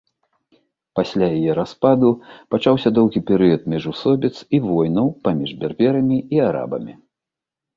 Пасля яе распаду пачаўся доўгі перыяд міжусобіц і войнаў паміж берберамі і арабамі.